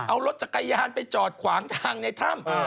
เอารถจักรยานไปจอดขวางทางในถ้ำ